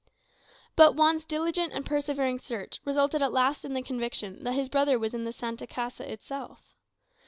But Juan's diligent and persevering search resulted at last in the conviction that his brother was in the "Santa Casa" itself.